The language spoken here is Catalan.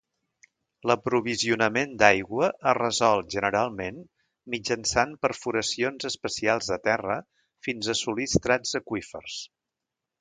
L'aprovisionament d'aigua es resol, generalment, mitjançant perforacions especials a terra fins a assolir estrats aqüífers.